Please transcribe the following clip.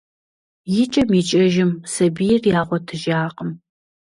Икӏэм-икӏэжым сабийр ягъуэтыжакъым.